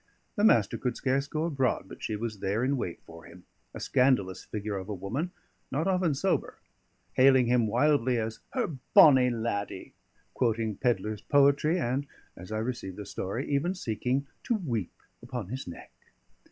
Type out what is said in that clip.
The Master could scarce go abroad but she was there in wait for him; a scandalous figure of a woman, not often sober; hailing him wildly as "her bonny laddie," quoting pedlar's poetry, and, as I receive the story, even seeking to weep upon his neck.